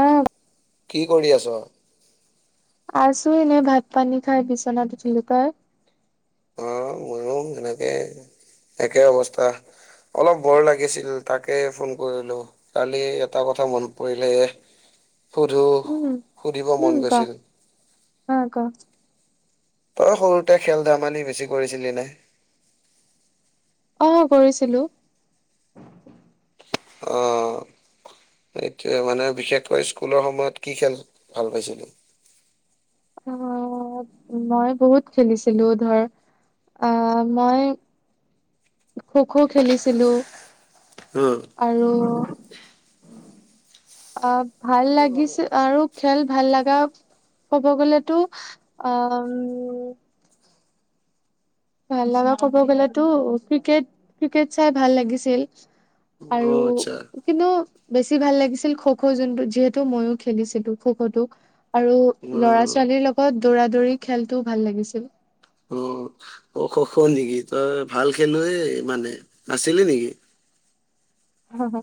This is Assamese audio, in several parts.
অ', কি কৰি আছ? আছো এনে ভাত পানী খাই বিচনাত উঠিলো তই অ মইয়ো সেনেকে, একে অৱস্থা। অলপ বৰ লাগিছিল তাকে ফোন কৰিলো, কালি এটা কথা মনত পৰিলে এ সুধো উম, সুধিব মন উম, ক গৈছিল। অ', ক তই সৰুতে খেল ধেমালি বেছি কৰিছিলি নাই? অ কৰিছিলো। অহ। সেইটোৱে মানে বিশেষকৈ স্কুলৰ সময়ত কি খেল ভাল পাইছিলি। অ মই বহুত খেলিছিলো ধৰ অহ মই খো-খো খেলিছিলো, উম, আৰু [unintelligible] অ ভাল লাগিছিল আৰু খেল ভাল লগা ক'ব গলেটো আ উম ভাল লগা ক'ব গলেতো ক্ৰিকেট ক্ৰিকেট চাই ভাল লাগিছিল আৰু অ' আচ্ছা কিন্তু বেছি ভাল লাগিছিল খ' খ' যোনটো যিহেতু ময়ো খেলিছিলো খ' খ' টো আৰু ল'ৰা উম, ছোৱা লীৰ লগত দৌৰা দৌৰি খেলটো ভাল লাগিছিল। অহ। অহ খ'খ' নেকি? তই ভাল খেলুৱৈয়ে মানে আছিলি নেকি? হ হ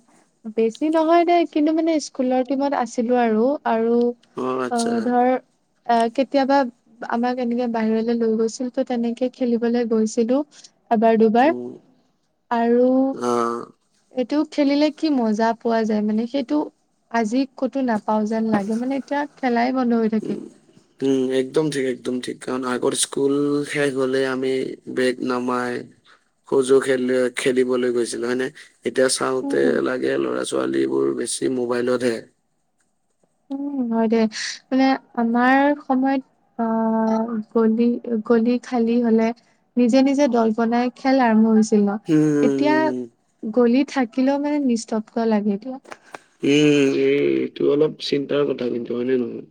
বেছি নহয় দেই কিন্তু মানে স্কুলৰ টিমত আছিলো আৰু আৰু অ ধৰ অহ কেতিয়াবা আমাক এনেকে বাহিৰলে লৈ গৈছিল তহ তেনেকে খেলিবলৈ গৈছিলো- এবাৰ দুবাৰ উম, আৰু অ'। সেইটো খেলিলে কি মজা পোৱা যায় মানে, সেইটো আজি ক'তো নাপাও যেন লাগে মানে এতিয়া খেলাই বন্ধ হৈ থাকিল। উম একদম ঠিক একদম ঠিক কাৰণ আগত স্কুল শেষ হলে আমি বেগ নমাই সজু খেল খেলিবলৈ গৈছিলো হয় নে? এতিয়া চাওঁতে উম লাগে লৰা ছোৱালীবোৰ বেছি মোবাইলতহে। উম হয় দে মানে আমাৰ সময়ত আহ গলি গলি খালি হলে নিজে নিজে দল বনাই খেল আৰম্ভ হৈছি লে। হুম এতিয়া গলি থাকিলেও মানে নিস্তব্ধ লাগে এতিয়া। উম এই এইটো অলপ চিন্তাৰ কথা কিন্তু হয়নে নহয়?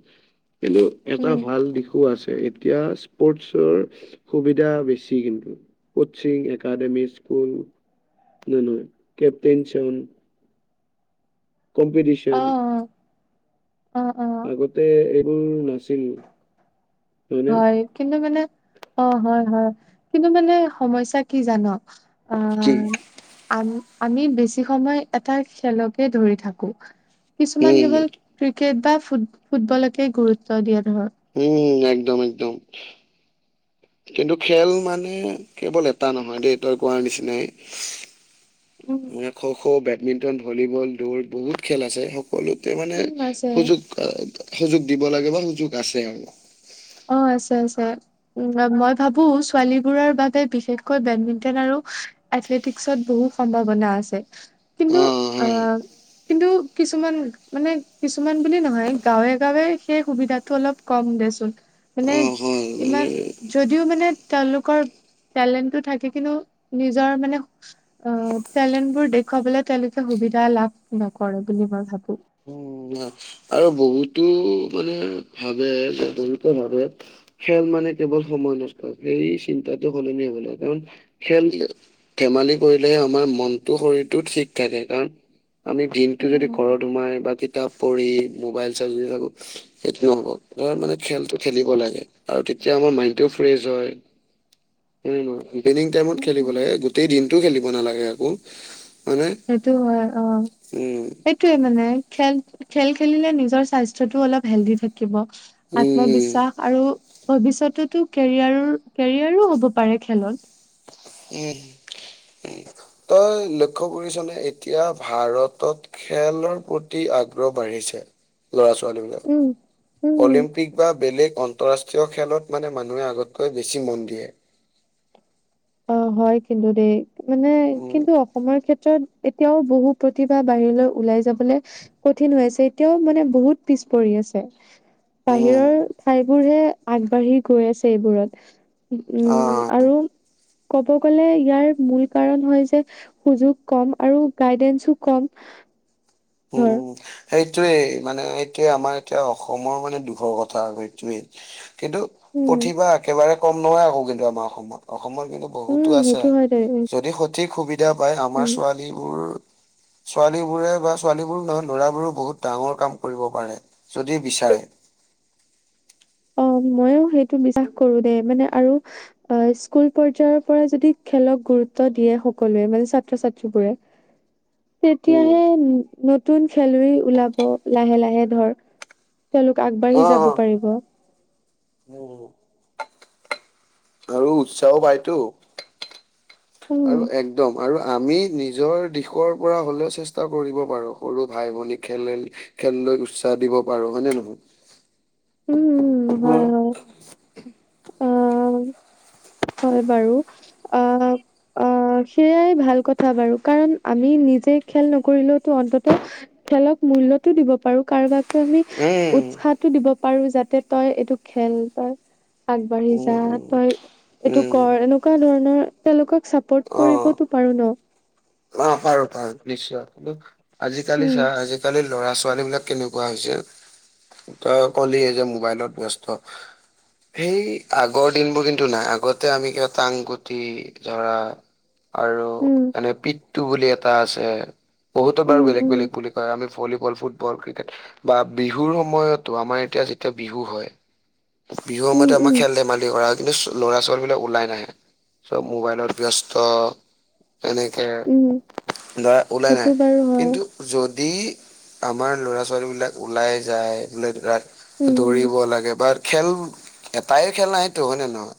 কিন্তু এটা উম ভাল দিশো আছে এতিয়া স্পৰ্টচৰ সুবিধা বেছি কিন্তু। কচিং একাডেমি স্কুল হয় নে নহয় কেপটেইন চন অ কম্পিটিচন অ অ অ আগতে এইবোৰ নাছিল। হয়নে হয় কিন্তু মানে অ হয় হয়, কিন্তু মানে সমস্যা কি জান? কি? আহ আম আমি বেছি সময় এটা খেলকে ধৰি থাকোঁ। কিছুমান উম, কেৱল ক্ৰিকেট বা ফুট- ফুটবলকে গুৰুত্ব দিয়ে। ধৰ উম, একদম - একদম। কিন্তু খেল মানে কেৱল এটা নহয় দেই, তই কোৱাৰ নিচিনাই উম মই খ' খ', বেডমিন্টন, ভলীবল, দৌৰ বহুত খেল আছে। সক- সকলোতে মানে উম আছে সুযোগ- অ'- সুযোগ দিব লাগে বা সুযোগ আছে আৰু। অ আছে আছে উম, মই ভাবোঁ ছোৱালীবোৰৰ বাবে বিশেষকৈ বেডমিন্টন আৰু এথলেটিকছত বহু সম্ভাৱনা আছে। কিন্তু অ' কিন্তু কিছুমান- মানে কিছুমান বুলি নহয়, গাঁৱে - গাঁৱে সেই সুবিধাটো অলপ কম। দেচোন। মানে অ' হয়। ইমান মানে যদিও মানে তেওঁলোকৰ টেলেণ্টটো থাকে কিন্তু নিজৰ মানে অ টেলেণ্ট বোৰ দেখুৱাবলৈ তেওঁলোকে সুবি সুবিধা লাভ নকৰে বুলি মই ভাবো। উম। আৰু বহুতো মানে ভাবে যে, বহুতে ভাবে, খেল মানে কেৱল সময় নষ্ট। সেই চিন্তাটো সলনি হ'ব লাগে, কাৰণ খেল-ধেমালি কৰিলে সময় মনটো - শৰীৰটো ঠিক থাকে। কাৰণ আমি দিনটো যদি উম ঘৰত সোমাই বা কিতাপ পঢ়ি মোবাইল চাই যদি থাকোঁ, সেইটো নহব। ধৰ মানে খেলটো খেলিব লাগে আৰু তেতিয়া আমাৰ মাইনটো ফ্ৰেজ হয়। [unintelligible] ইভিনিং টাইমত উম খেলিব লাগে। উম গোটেই দিনটো খেলিব নালাগে আকৌ। মানে সেইটো হয়, অ'। উম সেইটোৱে মানে খেল খেল খেলিলে নিজৰ স্বাস্থ্যটো অলপ হেল্ডি থাকিব। উম আত্মবিশ্বাস আৰু ভৱিষ্যতেতো কেৰিয়াৰ- কেৰিয়াৰো হ'ব পাৰে খেলত। উম, উম। তই লক্ষ্য কৰিছ নে, এতিয়া ভাৰতত খেলৰ প্ৰতি আগ্ৰহ বাঢ়িছে। ল'ৰা-ছো ৱালীবোৰৰ। উম, উম। অলিম্পিক বা বেলেগ আন্তঃৰাষ্ট্ৰীয় খেলত মানে মানুহে আগতকৈ বেছি মন দিয়ে। অ' হয় কিন্তু দেই। মানে উম কিন্তু অসমৰ ক্ষেত্ ত্ৰত এতিয়াও বহু প্ৰতিভা বাহিৰলৈ ওলাই যাবলৈ কঠিন হৈ আছে। এতিয়াও মানে বহুত পিছ পৰি আছে। উম বাহিৰৰ ঠাইবোৰহে আগবাঢ়ি গৈ আছে এইবোৰত। উম, অ' আৰু ক'ব গ'লে, ইয়াৰ মূল কাৰণ হয় যে সুযোগ কম আৰু গাইডেঞ্চো কম। ধৰ। উম। সেইটোৱেই মানে এইটোৱে আমাৰ এতিয়া অসমৰ মানে দুখৰ কথা সেইটোৱেই। কিন্তু উম, প্ৰতিভা একেবাৰে কম নহয় আকৌ কিন্তু আমাৰ অসমত। অসমত কিন্তু উম, বহুতো আছে। সেইটো হয় দে যদি স ঠিক সুবিধা পায়, আমাৰ উম, ছোৱালীবোৰ- ছোৱালীবোৰে বা ছোৱালীবোৰ নহয়, ল'ৰাবোৰো বহুত ডাঙৰ কাম কৰিব পাৰে, যদি বিচাৰে। [inaudible] মইয়ো সেইটো বিশ্বাস কৰোঁ দে। মানে আৰু অ' স্কুল পৰ্যায়ৰ পৰা যদি খেলক গুৰু ৰুত্ব দিয়ে সকলোৱে, মানে ছাত্ৰ ছাত্ৰীবোৰে [inaudible] উম তেতিয়াহে নতুন খেলুৱৈ ওলাব। লাহে - লাহে ধৰ তেওঁলোক অ আগবাঢ়ি অ যাব পাৰিব। উম আৰু উৎসাহো বাঢ়েতো। উম, আৰু একদম আৰু আমি নিজৰ দিশৰ পৰা হ'লেও চেষ্টা কৰিব পাৰোঁ। সৰু ভাই-ভনী খেলেল- খেল লৈ উৎসাহ দিব পাৰোঁ, হয় নে নহয়? উম - উম, হয় - হয়। অ', [inaudible] হয় বাৰু অ অ সেইয়াই ভাল কথা বাৰু কাৰণ আমি নিজ- যে খেল নকৰিলেওতো অন্তত খেলক মূল্যতো দিব পাৰো কাৰোবাক টো আমি উৎসাহটো দিব পাৰো যাতে তই এইটো খেল বা আগবাঢ়ি যা উম তই উম এইটো উম কৰ এনেকুৱা ধৰণৰ তেওঁলোকক চাপৰ্ট অ কৰিবতো পাৰো ন। অ পাৰো পাৰো নিশ্চয় কিন্তু আজিকালি উম চা আজিকালি ল'ৰা ছোৱালী বিলাক কেনেকুৱা হৈ হৈছে তই কলীয়ে যে মোবাইলত ব্যস্ত সেই আগৰ দিনবোৰ কিন্তু নাই আগতে আমি কিবা টাং গুটি ধৰা আৰু উম এনে পিতু বুলি এটা আছে বহুতো বাৰু উম বেলেগ উম বেলেগ বুলি কয় আমি ফল- ফুটবল ক্ৰিকেট বা বিহুৰ সময়তো আমাৰ এতিয়া যেতিয়া বিহু হয়। বিহুৰ উম সময়তে আমাৰ উম খেল ধেমালি কৰা কিন্তু ছ- ল'ৰা-ছোৱালীবিলাক ওলাই নাহে। চব মোবাইলত ব্যস্ত। এনেকে উম ল'ৰা ওলাই সেইটো নাহে। বাৰু হয় কিন্তু য দি আমাৰ ল'ৰা-ছোৱালীবিলাক ওলাই যায়, বোলে ৰাত উম উম দৌৰিব লাগে বা খেল- এটাই খেল নাইতো, হয় নে নহয়?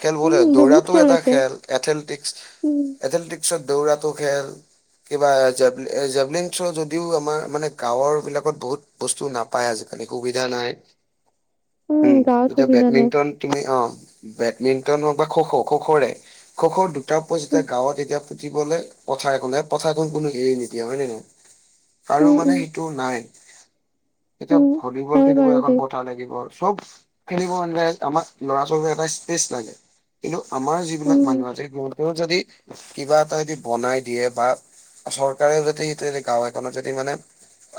খেল বহুত দৌৰাটো এটা খেল এথলেটিক্স উম এথলেটিক্সত দৌৰা টো খেল কিবা জেভলিন যদিও আমাৰ মানে গাঁওৰ বিলাকত বহুত বস্তু নাপায় আজি- কালি সুবিধা নাই উম গাঁৱত এতিয়া সুবিধা নাই বেডমিণ্টন তুমি অ। বেডমিন্টন হওক বা খ' খ' খ' খ'ৰে খ' খৰ দুটা যেতিয়া উম গাঁৱত এতিয়া ফুতিবলে পথাৰ এখন পথাৰ এখন কোনো এৰি নিদিয়া হয়ে নে নহয় কাৰো উম মানে উম সেইটো নাই। এতিয়া উম, ভলীবল হয় খেলিব বাৰু এখন দেই। পথাৰ লাগিব। চব খেলিব কাৰণে আমাক ল'ৰা ছোৱালী এটা স্পেচ লাগে। কিন্তু আমাৰ যিবিলাক উম, মানুহ আছে গৈ কও যদি কিবা এটা বনাই দিয়ে বা চৰকাৰেও যদি সেইটো গাঁও এখনত যদি মানে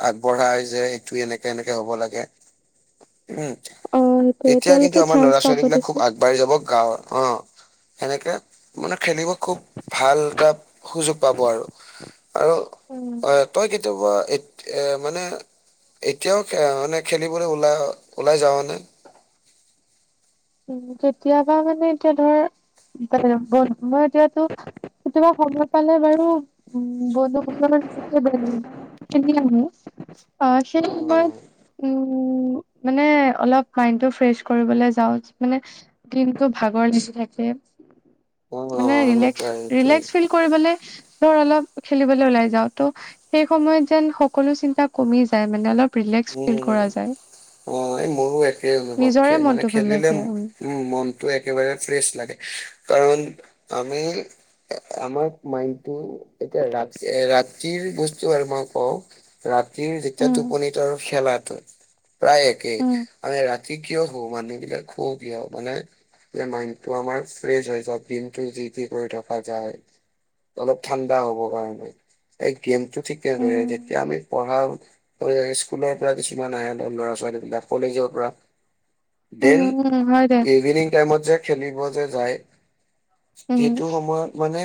আগবঢ়া যে এইটো এনেকে এনেকে হ'ব লাগে। উম অ' সেইটোয়ে তেতিয়া কিন্তু তেওঁলোকে আমাৰ চান্স ল'ৰা পাব ছোৱালী বিলাক খুব দেচোন। আগবাঢ়ি যাব গাঁও অ সেনেকে মানে খেলিব খুব ভাল এটা সুযোগ পাব আৰু আৰু উম, অ তই কেতিয়াবা এ এ মানে এতিয়াও মানে খেলিবলৈ ওলাই ওলাই যাও নে? উ কেতিয়াবা মানে এতিয়া ধৰ মই এতিয়াতো কেতিয়াবা সময় পালে বাৰু উ বন্ধু ক চকু বানি খেলি আহো। অ সেইটো মই‌ উম উ মানে অলপ মাইণ্ড টো ফ্ৰেচ কৰিবলৈ যাও। মানে দিনকো ভাগৰ লাগি থাকে। অ অ মানে অ তাই- তাই। ৰিলেক্স ফিল কৰিব ধৰ অলপ খেলিবলৈ ওলাই যাওঁ ত' সেই সময়ত যেন সকলো চিন্তা কমি যায়। মানে অলপ ৰিলেক্স ফিল উম কৰা যায় অ এই মোৰো একেই অনুভৱ খে নিজৰে মানে মনটো ভাল লাগ- খেলিলে উম মনটো একেবাৰে ফ্ৰেছ লাগে কাৰণ আমি আমাৰ মাইণ্ডটো এতিয়া ৰাতি ৰাতিৰ বস্তু আৰু মই কওঁ ৰাত- ৰাতি যেতিয়াটো উম টোপনীটো খেলাটো প্ৰায় একেই উম আমি ৰাতি কিয় মানুহ বিলাক খুব মানে যে মাইনটো আমাৰ ফ্ৰেচ হৈ যায় ব্ৰেনটো যি টি কৰি থাক দেখা যায় অলপ ঠাণ্ডা হব কাৰণে গেমটো ঠিক তেনেদৰে যেতিয়া উম আমি পঢ়া পঢ়ি আহিছোঁ স্কুলৰ পৰা কিছুমান আহে ল'ৰা ছোৱালী বিলাক কলেজৰ পৰা ডেন উম উম হয় দে ইভিনিং টাইমত যে খেলিব যে যায় উম সেইটো সময়ত মানে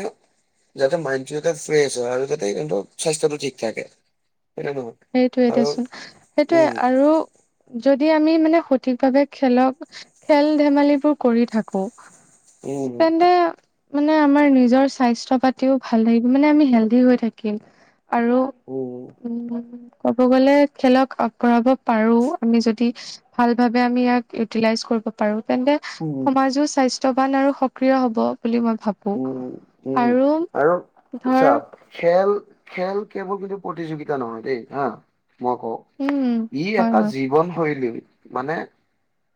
যাতে মাইনটো যাতে ফ্ৰেছ হয় আৰু যাতে স্বাস্থ্যটো ঠিক থাকে। হয় নে নহয় সেইটোয়ে আৰু দেচোন সেইটোয়ে উম আৰু যদি আমি মানে সঠিক ভাৱে খেলক -খেল ধেমালিবোৰ কৰি থাকোঁ উম মানে আমাৰ নিজৰ স্বাস্থ্য পাতিও ভাল লাগিব মানে আমি হেল্ডি হৈ থাকিম আৰু উম উম ক'ব গলে খেলক আগবঢ়াব পাৰো আমি যদি ভাল ভাবে আমি ইয়াক ইউটিলাইজ তিলাইজ কৰিব পাৰো তেন্তে উম সমাজো স্বাস্থ্যৱান আৰু সক্ৰিয় হব। বুলি মই ভাবো উম উম আৰু আৰু ধৰ চা খেল খেল কেৱল কিন্তু প্ৰতিযোগিতা নহয় দেই হা মই কওঁ উম ই হয় এটা হয় জীৱনশৈলী মানে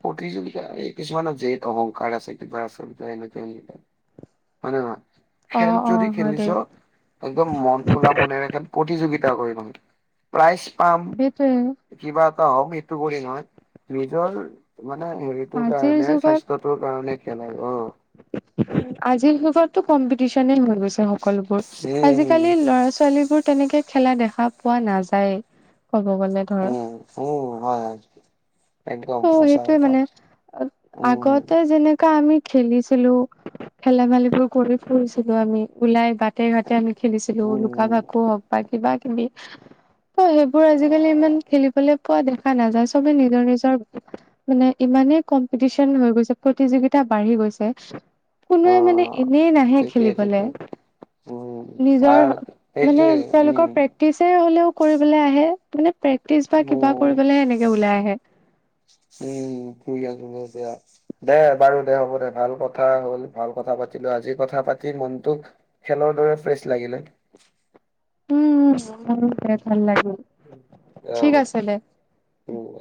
প্ৰতিযোগিতা এই কিছুমানৰ যেত অহংকাৰ আছে কিবা আছে [unintelligible] হয় নে নহয় অ খেল অ যদি হয় খেলিছ দেই একদম মন খোলা মনেৰে খেল প্ৰতিযোগি [unintelligible] প্ৰাইজ পাম সেইটোয়ে কিবা ত মিটো কৰি নহয় নিজৰ মানে হেৰিটোৰ আজিৰ কাৰণে যুগত স্বাস্থ্য টোৰ কাৰণে খেল হয় অ আজিৰ সভাগটো কম্পিটিচন নে সকলোবোৰ উম আজিকালি ল'ৰা ছোৱালী বোৰ তেনেকে খেলা দেখা পোৱা নাযায়। ক'ব গ'লে ধৰ উম -উম, হয় -হয় ত' একদম সঁচা সেইটোয়ে কথা মানে উম আগতে যেনেকা আমি খেলিছিলো খেলা বালিবোৰ কৰি ফুৰিছিলো আমি ওলাই বাট ঘাটে - ঘাটে আমি খেলিছিলো লুকা উম -ভাকু হওক বা কিবা - কিবি অহ, সেইবোৰ অ আজিকালি ইমান খেলিবলৈ পোৱা দেখা নাযায় চবে নিজৰ- নিজৰ মানে ইমানেই কম্পিটিচন হৈ গৈছে, প্ৰতিযোগিতা বাঢ়ি গৈছে অ কোনোৱে মানে এনেই নাহে ঠিকে খেলিবলে ঠিকে উম নিজৰ আৰু মানে সেইটোৱে তেওঁলোকৰ উম প্ৰেক্টিচে হ'লেও কৰিবলৈ আহে মানে প্ৰেক্টিচ বা কিবা উম কৰিবলেহে এনেকে ওলাই আহে। উম, ফুই আছো যেতিয়া দে বাৰু দে হ'ব দে ভাল কথা হ'ল ভাল কথা পাত পাতিলো আজি কথা -পাতি মনটোক খেলৰ দৰে ফ্ৰেছ লাগিলে। উম- উম - উম ভাল লাগে, ভাল লাগিল দে ঠিক হ'ব আছে দে। উম।